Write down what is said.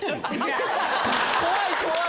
怖い怖い！